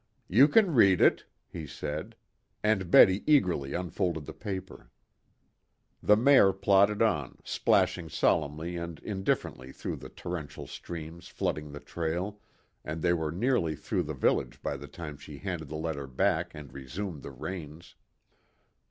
"You can read it," he said. And Betty eagerly unfolded the paper. The mare plodded on, splashing solemnly and indifferently through the torrential streams flooding the trail, and they were nearly through the village by the time she handed the letter back and resumed the reins.